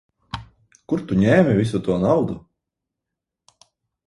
Kur tu ņēmi visu to naudu?